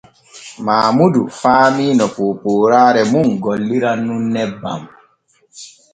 Maamudu faamii no poopooraare mum golliran nun nebban.